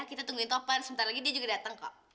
kita tungguin topan sebentar lagi dia juga datang kok